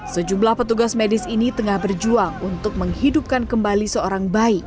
sejumlah petugas medis ini tengah berjuang untuk menghidupkan kembali seorang bayi